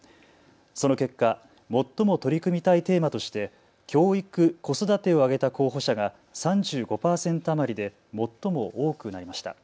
その結果、最も取り組みたいテーマとして教育・子育てを挙げた候補者が３５％余りで最も多くなりました。